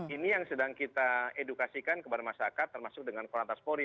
ini yang sedang kita edukasikan kepada masyarakat termasuk dengan korantas polri